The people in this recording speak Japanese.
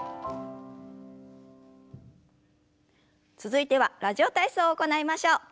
続いては「ラジオ体操」を行いましょう。